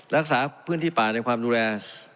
รักษาพื้นที่ป่าในความดูแล